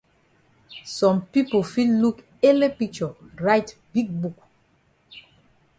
Some pipo fit look ele picture write big book.